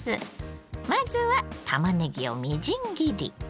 まずはたまねぎをみじん切り。